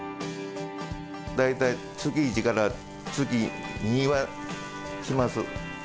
大体月１から月２は来ます。